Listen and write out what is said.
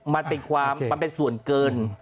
มันเป็นความมันเป็นส่วนเกิน